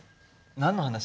何の話？